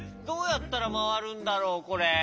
どうやったらまわるんだろうこれ？